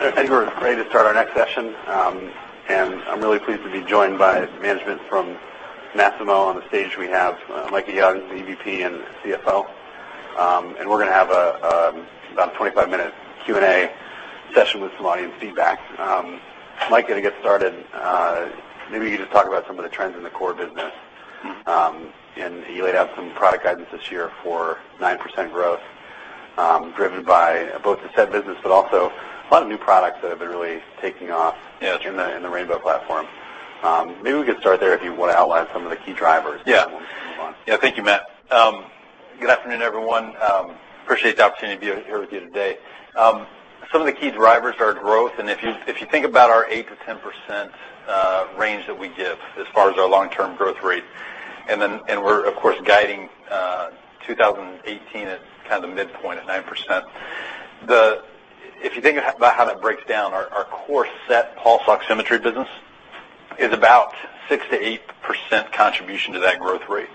I think we're ready to start our next session, and I'm really pleased to be joined by management from Masimo. On the stage we have Micah Young, the VP and CFO, and we're going to have about a 25-minute Q&A session with some audience feedback. Micah, to get started, maybe you could just talk about some of the trends in the core business, and you laid out some product guidance this year for 9% growth, driven by both the SET business but also a lot of new products that have been really taking off in the Rainbow platform. Maybe we could start there if you want to outline some of the key drivers. Yeah. And then we'll move on. Yeah. Thank you, Matt. Good afternoon, everyone. Appreciate the opportunity to be here with you today. Some of the key drivers are growth, and if you think about our 8%-10% range that we give as far as our long-term growth rate, and we're, of course, guiding 2018 at kind of the midpoint at 9%. If you think about how that breaks down, our core SET pulse oximetry business is about 6%-8% contribution to that growth rate.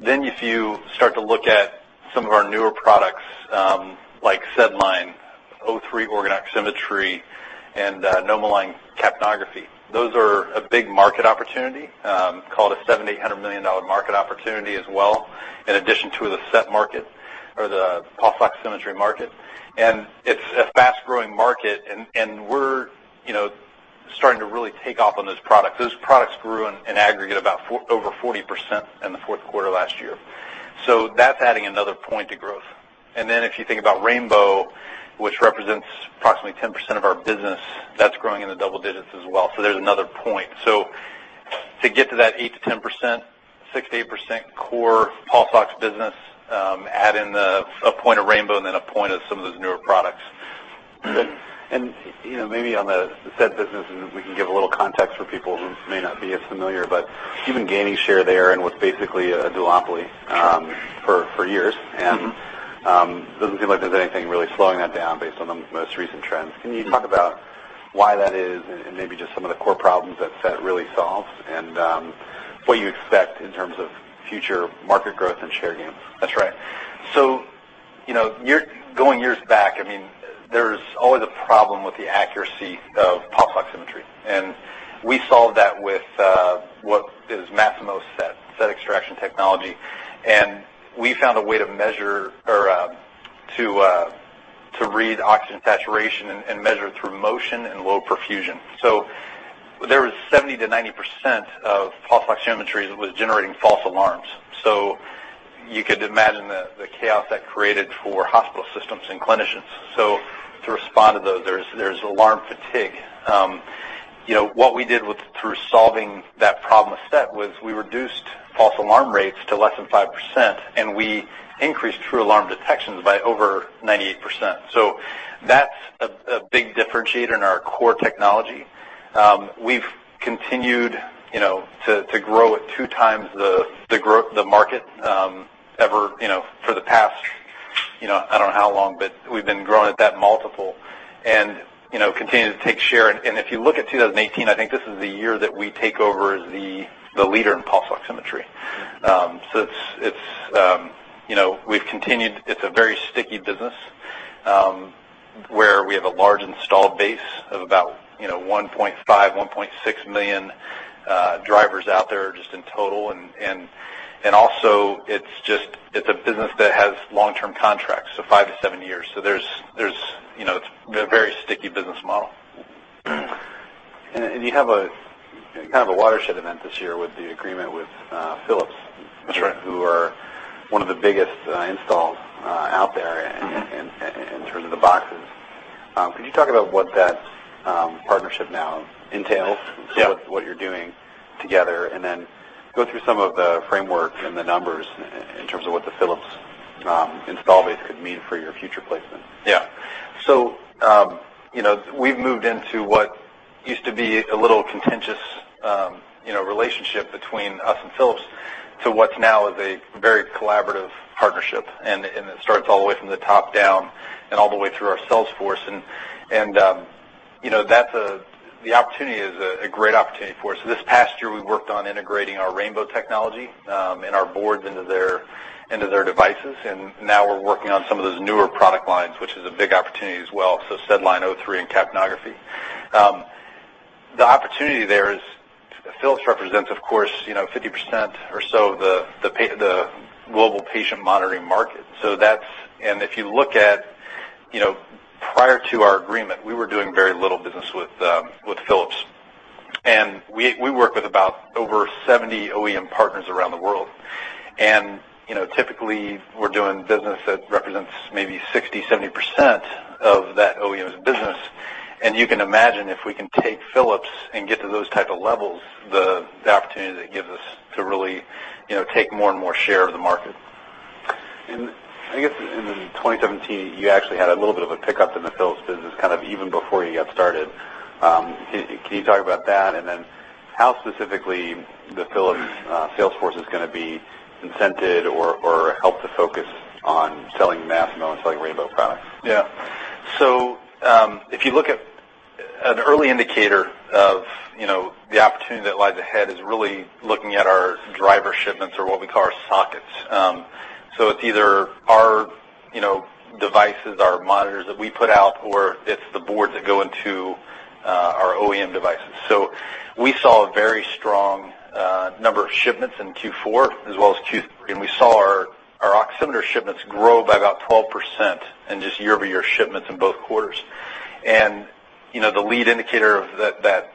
Then if you start to look at some of our newer products like SedLine, O3 organ oximetry, and NomoLine capnography, those are a big market opportunity called a $700 million-$800 million market opportunity as well, in addition to the SET market or the pulse oximetry market. It's a fast-growing market, and we're starting to really take off on those products. Those products grew in aggregate over 40% in the fourth quarter last year. So that's adding another point to growth. And then if you think about Rainbow, which represents approximately 10% of our business, that's growing in the double digits as well. So there's another point. So to get to that 8%-10%, 6%-8% core pulse oximetry business, add in a point of Rainbow and then a point of some of those newer products. Good. And maybe on the SedLine business, we can give a little context for people who may not be as familiar, but you've been gaining share there and was basically a duopoly for years, and it doesn't seem like there's anything really slowing that down based on the most recent trends. Can you talk about why that is and maybe just some of the core problems that SET really solves and what you expect in terms of future market growth and share gains? That's right. So going years back, I mean, there's always a problem with the accuracy of pulse oximetry, and we solved that with what is Masimo's SET, SET extraction technology. And we found a way to measure or to read oxygen saturation and measure it through motion and low perfusion. So there was 70%-90% of pulse oximetry that was generating false alarms. So you could imagine the chaos that created for hospital systems and clinicians. So to respond to those, there's alarm fatigue. What we did through solving that problem with SET was we reduced false alarm rates to less than 5%, and we increased true alarm detections by over 98%. So that's a big differentiator in our core technology. We've continued to grow at two times the market ever for the past, I don't know how long, but we've been growing at that multiple and continue to take share. And if you look at 2018, I think this is the year that we take over as the leader in pulse oximetry, so we've continued, it's a very sticky business where we have a large installed base of about 1.5 million-1.6 million drivers out there just in total. And also, it's a business that has long-term contracts, so five to seven years, so it's a very sticky business model. You have kind of a watershed event this year with the agreement with Philips. That's right. Philips is one of the biggest installs out there in terms of the boxes. Could you talk about what that partnership now entails, what you're doing together, and then go through some of the framework and the numbers in terms of what the Philips install base could mean for your future placement? Yeah. So we've moved into what used to be a little contentious relationship between us and Philips to what's now a very collaborative partnership. And it starts all the way from the top down and all the way through our sales force. And the opportunity is a great opportunity for us. So this past year, we worked on integrating our Rainbow technology and our boards into their devices. And now we're working on some of those newer product lines, which is a big opportunity as well, so SedLine, O3, and capnography. The opportunity there is Philips represents, of course, 50% or so of the global patient monitoring market. And if you look at prior to our agreement, we were doing very little business with Philips. And we work with about over 70 OEM partners around the world. Typically, we're doing business that represents maybe 60%-70% of that OEM's business. You can imagine if we can take Philips and get to those type of levels, the opportunity that gives us to really take more and more share of the market. And I guess in 2017, you actually had a little bit of a pickup in the Philips business kind of even before you got started. Can you talk about that? And then how specifically the Philips sales force is going to be incented or help to focus on selling Masimo and selling Rainbow products? Yeah. So if you look at an early indicator of the opportunity that lies ahead is really looking at our driver shipments or what we call our sockets. So it's either our devices, our monitors that we put out, or it's the boards that go into our OEM devices. So we saw a very strong number of shipments in Q4 as well as Q3. And we saw our oximeter shipments grow by about 12% in just year-over-year shipments in both quarters. And the lead indicator that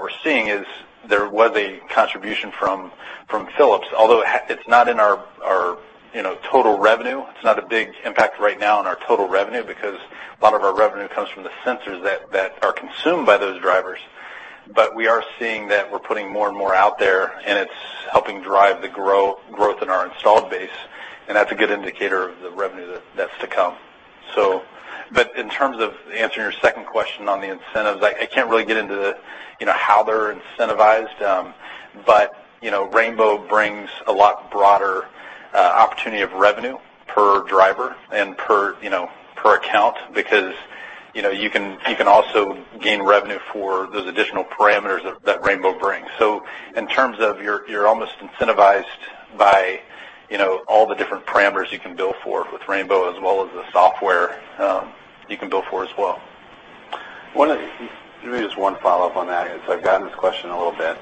we're seeing is there was a contribution from Philips, although it's not in our total revenue. It's not a big impact right now in our total revenue because a lot of our revenue comes from the sensors that are consumed by those drivers. But we are seeing that we're putting more and more out there, and it's helping drive the growth in our installed base. And that's a good indicator of the revenue that's to come. But in terms of answering your second question on the incentives, I can't really get into how they're incentivized. But Rainbow brings a lot broader opportunity of revenue per driver and per account because you can also gain revenue for those additional parameters that Rainbow brings. So in terms of you're almost incentivized by all the different parameters you can bill for with Rainbow as well as the software you can bill for as well. Maybe just one follow-up on that. I've gotten this question a little bit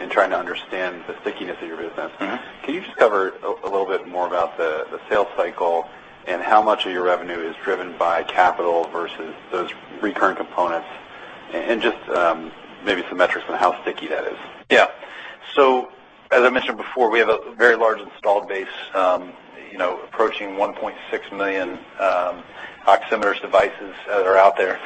in trying to understand the stickiness of your business. Can you just cover a little bit more about the sales cycle and how much of your revenue is driven by capital versus those recurring components and just maybe some metrics on how sticky that is? Yeah. So as I mentioned before, we have a very large installed base, approaching 1.6 million oximeter devices that are out there.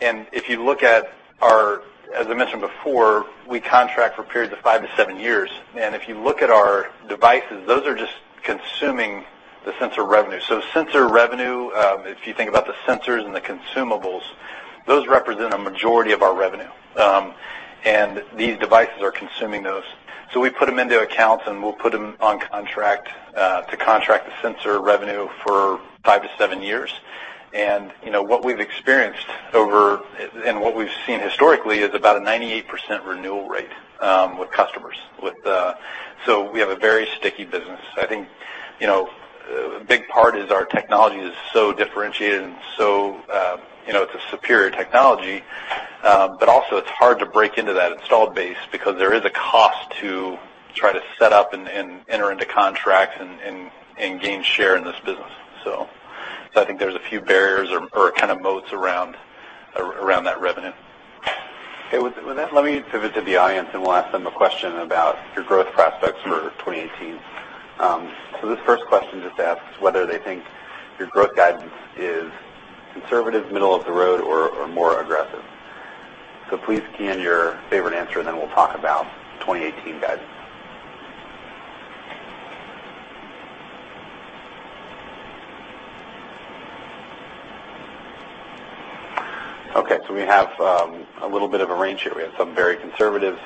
And if you look at our, as I mentioned before, we contract for periods of five to seven years. And if you look at our devices, those are just consuming the sensor revenue. So sensor revenue, if you think about the sensors and the consumables, those represent a majority of our revenue. And these devices are consuming those. So we put them into accounts, and we'll put them on contract to contract the sensor revenue for five to seven years. And what we've experienced over, and what we've seen historically, is about a 98% renewal rate with customers. So we have a very sticky business. I think a big part is our technology is so differentiated and so, it's a superior technology. But also, it's hard to break into that installed base because there is a cost to try to set up and enter into contracts and gain share in this business. So I think there's a few barriers or kind of moats around that revenue. Okay. With that, let me pivot to the audience, and we'll ask them a question about your growth prospects for 2018. So this first question just asks whether they think your growth guidance is conservative, middle of the road, or more aggressive. So please key in your favorite answer, and then we'll talk about 2018 guidance. Okay. So we have a little bit of a range here. We have some very conservative,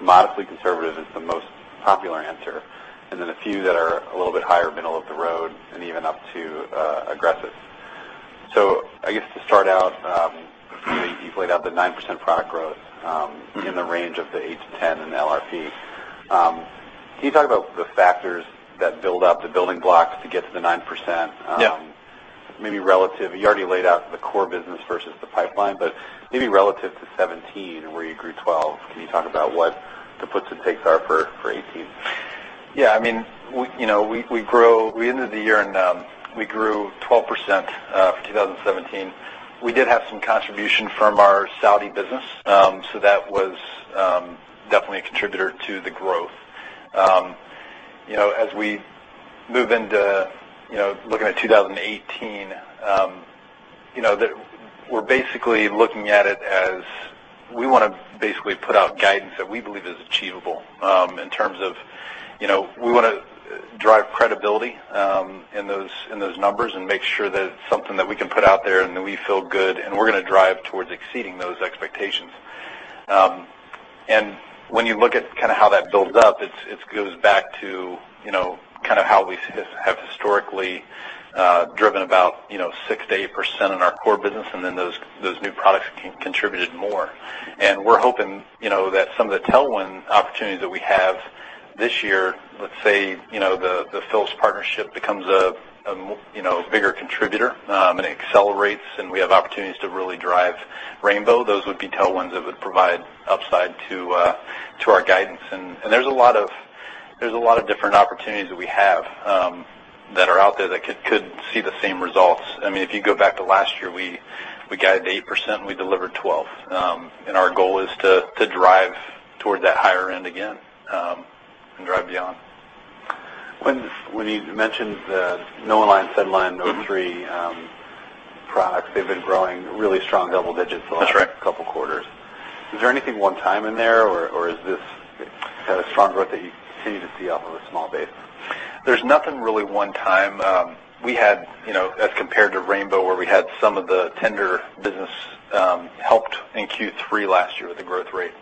modestly conservative is the most popular answer, and then a few that are a little bit higher, middle of the road, and even up to aggressive. So I guess to start out, you've laid out the 9% product growth in the range of the 8%-10% and the LRP. Can you talk about the factors that build up the building blocks to get to the 9%? Yeah. Maybe relative, you already laid out the core business versus the pipeline, but maybe relative to 2017 where you grew 12%, can you talk about what the puts and takes are for 2018? Yeah. I mean, we ended the year, and we grew 12% for 2017. We did have some contribution from our Saudi business, so that was definitely a contributor to the growth. As we move into looking at 2018, we're basically looking at it as we want to basically put out guidance that we believe is achievable in terms of we want to drive credibility in those numbers and make sure that it's something that we can put out there and that we feel good, and we're going to drive towards exceeding those expectations. And when you look at kind of how that builds up, it goes back to kind of how we have historically driven about 6%-8% in our core business, and then those new products contributed more. And we're hoping that some of the tailwind opportunities that we have this year, let's say the Philips partnership becomes a bigger contributor and it accelerates and we have opportunities to really drive Rainbow, those would be tailwinds that would provide upside to our guidance. And there's a lot of different opportunities that we have that are out there that could see the same results. I mean, if you go back to last year, we guided 8%, and we delivered 12%. And our goal is to drive towards that higher end again and drive beyond. When you mentioned the NomoLine, SedLine, O3 products, they've been growing really strong double digits the last couple of quarters. Is there anything one-time in there, or is this kind of strong growth that you continue to see off of a small base? There's nothing really one-time. We had, as compared to Rainbow where we had some of the tender business helped in Q3 last year with the growth rate.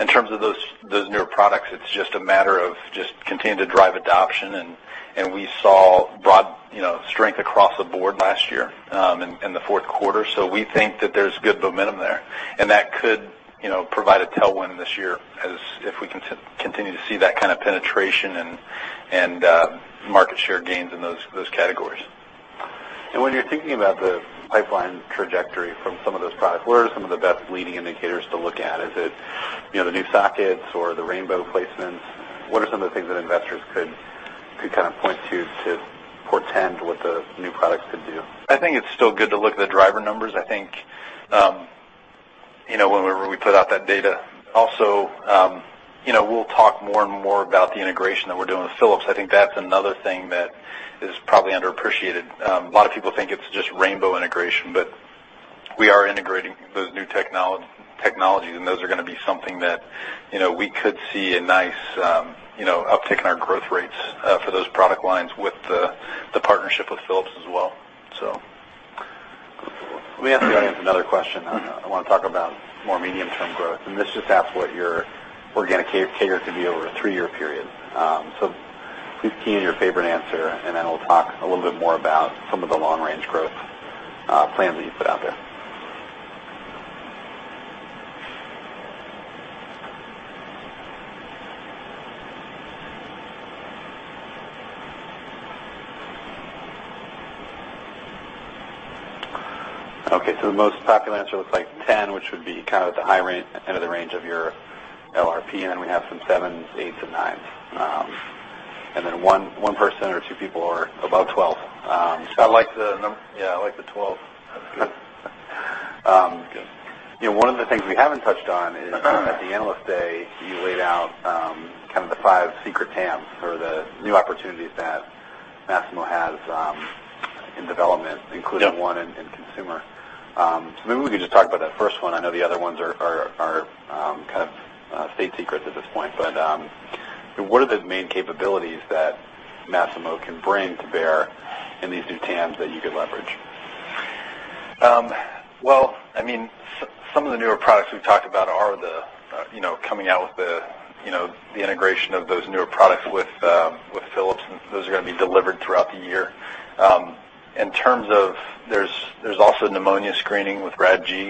In terms of those newer products, it's just a matter of just continuing to drive adoption. We saw broad strength across the board last year in the fourth quarter. We think that there's good momentum there. That could provide a tailwind this year if we can continue to see that kind of penetration and market share gains in those categories. When you're thinking about the pipeline trajectory from some of those products, what are some of the best leading indicators to look at? Is it the new sockets or the Rainbow placements? What are some of the things that investors could kind of point to to portend what the new products could do? I think it's still good to look at the driver numbers. I think whenever we put out that data. Also, we'll talk more and more about the integration that we're doing with Philips. I think that's another thing that is probably underappreciated. A lot of people think it's just Rainbow integration, but we are integrating those new technologies, and those are going to be something that we could see a nice uptick in our growth rates for those product lines with the partnership with Philips as well, so. Let me ask the audience another question. I want to talk about more medium-term growth. And this just asks what your organic figure could be over a three-year period. So please key in your favorite answer, and then we'll talk a little bit more about some of the long-range growth plans that you put out there. Okay. So the most popular answer looks like 10, which would be kind of at the high end of the range of your LRP. And then we have some 7s, 8s, and 9s. And then one person or two people are above 12. I like the number. Yeah. I like the 12. That's good. That's good. One of the things we haven't touched on is at the Analyst Day, you laid out kind of the five secret TAMs or the new opportunities that Masimo has in development, including one in consumer. So maybe we could just talk about that first one. I know the other ones are kind of state secrets at this point. But what are the main capabilities that Masimo can bring to bear in these new TAMs that you could leverage? Well, I mean, some of the newer products we've talked about are coming out with the integration of those newer products with Philips. And those are going to be delivered throughout the year. In terms of there's also pneumonia screening with Rad-G.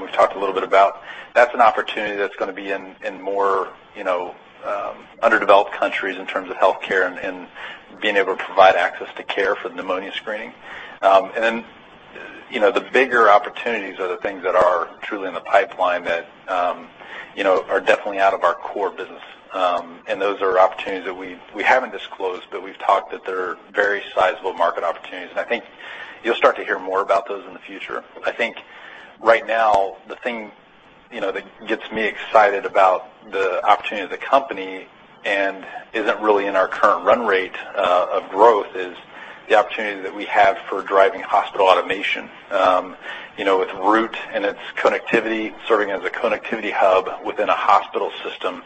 We've talked a little bit about that. That's an opportunity that's going to be in more underdeveloped countries in terms of healthcare and being able to provide access to care for the pneumonia screening. And then the bigger opportunities are the things that are truly in the pipeline that are definitely out of our core business. And those are opportunities that we haven't disclosed, but we've talked that they're very sizable market opportunities. And I think you'll start to hear more about those in the future. I think right now, the thing that gets me excited about the opportunity of the company and isn't really in our current run rate of growth is the opportunity that we have for driving hospital automation with Root and its connectivity, serving as a connectivity hub within a hospital system.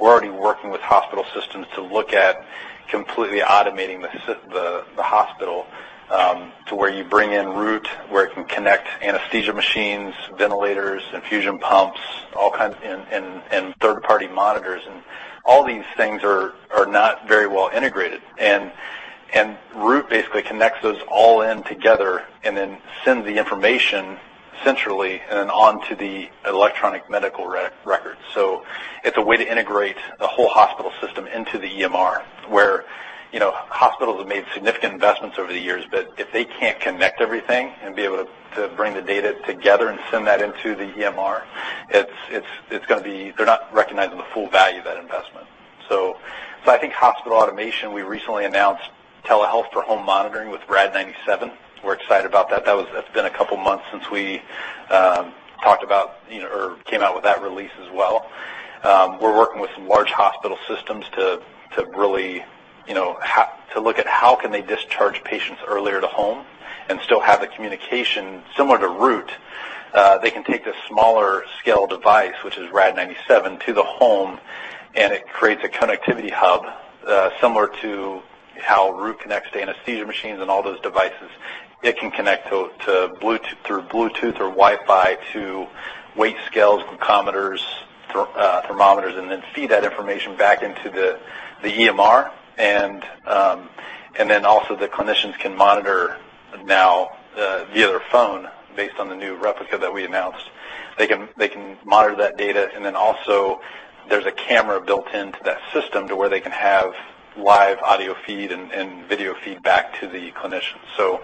We're already working with hospital systems to look at completely automating the hospital to where you bring in Root, where it can connect anesthesia machines, ventilators, infusion pumps, all kinds of third-party monitors. And all these things are not very well integrated. And Root basically connects those all in together and then sends the information centrally and then onto the electronic medical record. So it's a way to integrate the whole hospital system into the EMR, where hospitals have made significant investments over the years. But if they can't connect everything and be able to bring the data together and send that into the EMR, it's going to be they're not recognizing the full value of that investment. So I think hospital automation, we recently announced telehealth for home monitoring with Rad-97. We're excited about that. That's been a couple of months since we talked about or came out with that release as well. We're working with some large hospital systems to really look at how can they discharge patients earlier to home and still have the communication similar to Root. They can take the smaller scale device, which is Rad-97, to the home, and it creates a connectivity hub similar to how Root connects to anesthesia machines and all those devices. It can connect through Bluetooth or Wi-Fi to weight scales, glucometers, thermometers, and then feed that information back into the EMR. And then also, the clinicians can monitor now via their phone based on the new Replica that we announced. They can monitor that data. And then also, there's a camera built into that system to where they can have live audio feed and video feedback to the clinician. So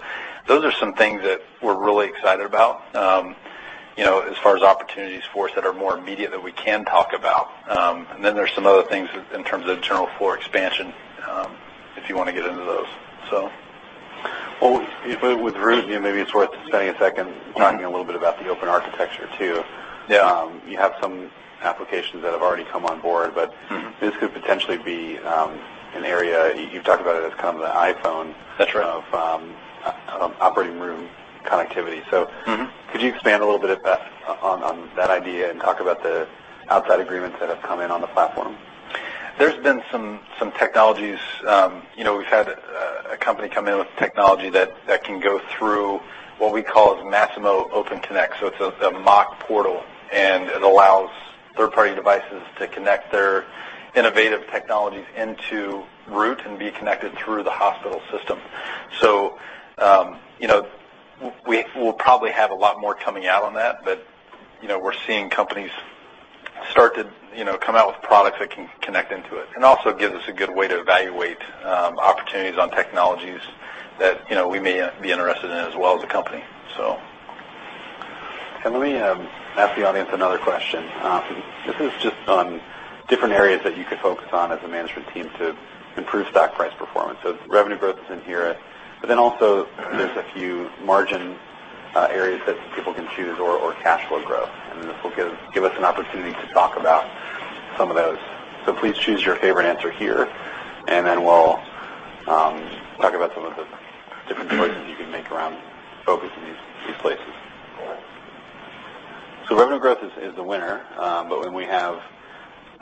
those are some things that we're really excited about as far as opportunities for us that are more immediate that we can talk about. And then there's some other things in terms of internal floor expansion if you want to get into those, so. With Root, maybe it's worth spending a second talking a little bit about the open architecture too. You have some applications that have already come on board, but this could potentially be an area. You've talked about it as kind of the iPhone of operating room connectivity. So could you expand a little bit on that idea and talk about the outside agreements that have come in on the platform? There's been some technologies. We've had a company come in with technology that can go through what we call as Masimo Open Connect. So it's a MOC portal, and it allows third-party devices to connect their innovative technologies into Root and be connected through the hospital system. So we'll probably have a lot more coming out on that, but we're seeing companies start to come out with products that can connect into it and also give us a good way to evaluate opportunities on technologies that we may be interested in as well as a company, so. And let me ask the audience another question. This is just on different areas that you could focus on as a management team to improve stock price performance. So revenue growth is in here. But then also, there's a few margin areas that people can choose or cash flow growth. And this will give us an opportunity to talk about some of those. So please choose your favorite answer here, and then we'll talk about some of the different choices you can make around focus in these places. So revenue growth is the winner, but when we have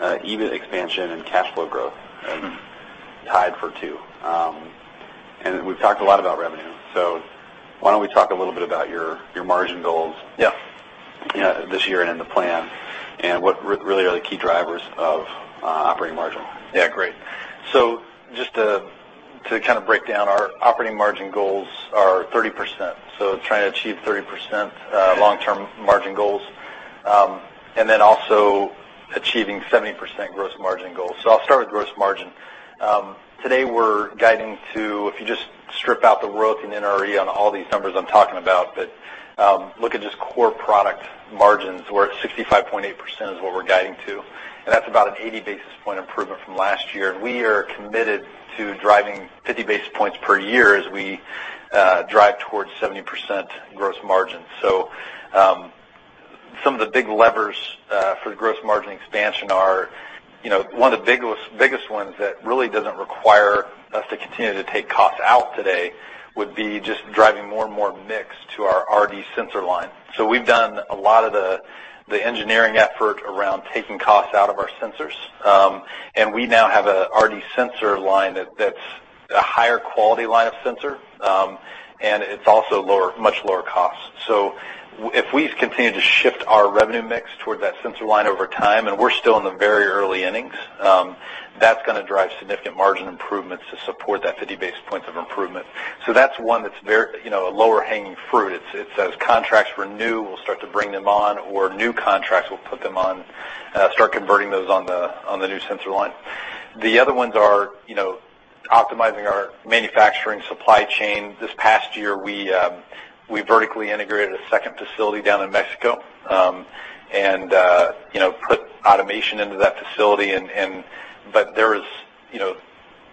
EBIT expansion and cash flow growth tied for two. And we've talked a lot about revenue. So why don't we talk a little bit about your margin goals this year and in the plan and what really are the key drivers of operating margin? Yeah. Great. So just to kind of break down, our operating margin goals are 30%. So trying to achieve 30% long-term margin goals and then also achieving 70% gross margin goals. So I'll start with gross margin. Today, we're guiding to if you just strip out the growth and NRE on all these numbers I'm talking about, but look at just core product margins where 65.8% is what we're guiding to. And that's about an 80 basis point improvement from last year. And we are committed to driving 50 basis points per year as we drive towards 70% gross margin. So some of the big levers for the gross margin expansion are one of the biggest ones that really doesn't require us to continue to take costs out today would be just driving more and more mix to our RD sensor line. We've done a lot of the engineering effort around taking costs out of our sensors. And we now have an RD sensor line that's a higher quality line of sensor, and it's also much lower cost. So if we continue to shift our revenue mix toward that sensor line over time, and we're still in the very early innings, that's going to drive significant margin improvements to support that 50 basis point of improvement. So that's one that's a lower-hanging fruit. It says contracts renew, we'll start to bring them on, or new contracts, we'll start converting those on the new sensor line. The other ones are optimizing our manufacturing supply chain. This past year, we vertically integrated a second facility down in Mexico and put automation into that facility. But there are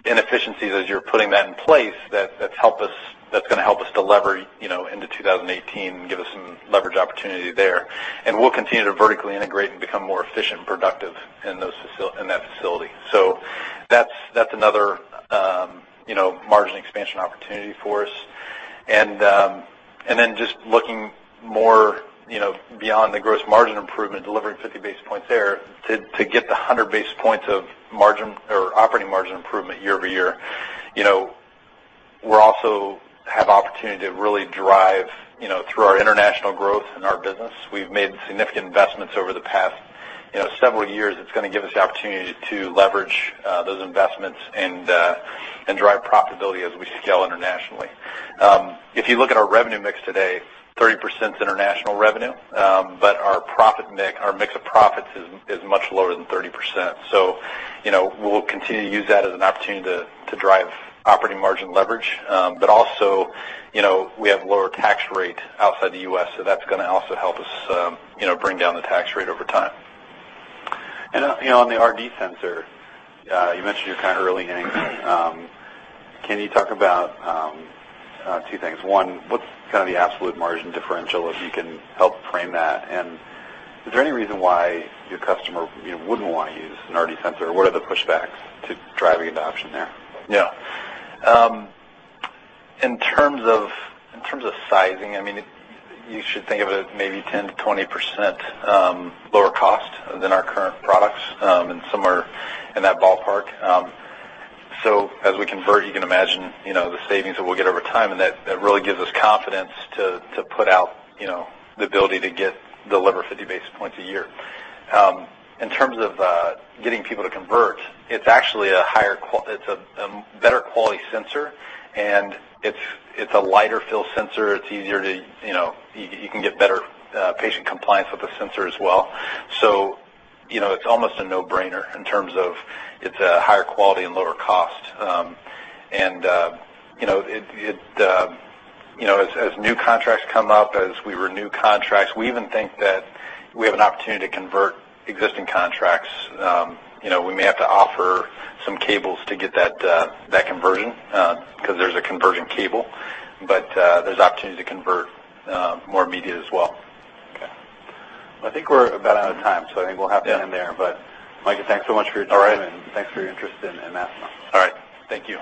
inefficiencies as you're putting that in place that's going to help us deliver into 2018 and give us some leverage opportunity there. And we'll continue to vertically integrate and become more efficient and productive in that facility. So that's another margin expansion opportunity for us. And then just looking more beyond the gross margin improvement, delivering 50 basis points there to get the 100 basis points of operating margin improvement year-over-year, we also have the opportunity to really drive through our international growth in our business. We've made significant investments over the past several years. It's going to give us the opportunity to leverage those investments and drive profitability as we scale internationally. If you look at our revenue mix today, 30% is international revenue, but our mix of profits is much lower than 30%. So we'll continue to use that as an opportunity to drive operating margin leverage. But also, we have a lower tax rate outside the U.S., so that's going to also help us bring down the tax rate over time. And on the RD sensor, you mentioned you're kind of early in. Can you talk about two things? One, what's kind of the absolute margin differential if you can help frame that? And is there any reason why your customer wouldn't want to use an RD sensor? What are the pushbacks to driving adoption there? Yeah. In terms of sizing, I mean, you should think of it as maybe 10%-20% lower cost than our current products, and some are in that ballpark. So as we convert, you can imagine the savings that we'll get over time, and that really gives us confidence to put out the ability to deliver 50 basis points a year. In terms of getting people to convert, it's actually a better quality sensor, and it's a lighter feel sensor. It's easier, too. You can get better patient compliance with the sensor as well. So it's almost a no-brainer in terms of it's a higher quality and lower cost. And as new contracts come up, as we renew contracts, we even think that we have an opportunity to convert existing contracts. We may have to offer some cables to get that conversion because there's a conversion cable. But there's opportunity to convert more meters as well. Okay. I think we're about out of time, so I think we'll have to end there. But, Mike, thanks so much for your time, and thanks for your interest in Masimo. All right. Thank you.